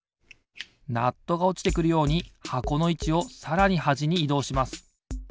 ナットがおちてくるように箱のいちをさらにはじにいどうします。